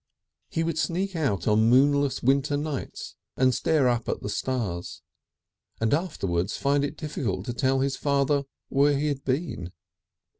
He would sneak out on moonless winter nights and stare up at the stars, and afterwards find it difficult to tell his father where he had been.